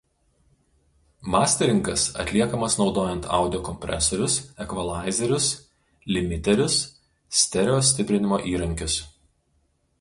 Masteringas atliekamas naudojant audio kompresorius, ekvalaizerius, limiterius, stereo stiprinimo įrankius.